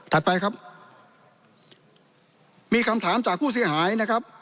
ไปครับมีคำถามจากผู้เสียหายนะครับ